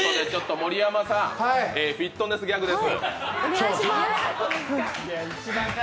盛山さん、フィットネスギャグです。